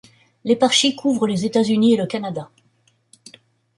L'éparchie couvre les États-Unis et le Canada.